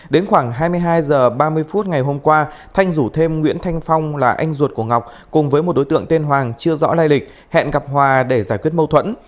đến khoảng hai mươi hai h ba mươi phút ngày hôm qua thanh rủ thêm nguyễn thanh phong là anh ruột của ngọc cùng với một đối tượng tên hoàng chưa rõ lai lịch hẹn gặp hòa để giải quyết mâu thuẫn